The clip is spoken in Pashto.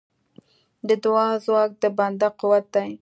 د دعا ځواک د بنده قوت دی.